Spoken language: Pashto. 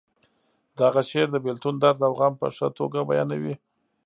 د هغه شعر د بیلتون درد او غم په ښه توګه بیانوي